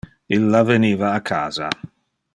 Illa veniva a casa.